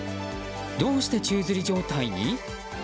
どうして宙づり状態に？